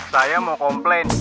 saya mau komplain